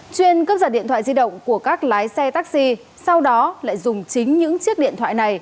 chuyên cướp giật điện thoại di động của các lái xe taxi sau đó lại dùng chính những chiếc điện thoại này